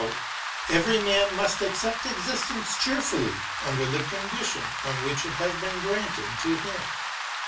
SAMUEL JOHNSON 29 Every man must accept existence cheerfully under the condition on which it has been granted to him.